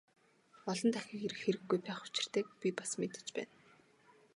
Олон дахин ирэх хэрэггүй байх учиртайг би бас мэдэж байна.